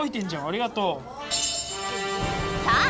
ありがとう。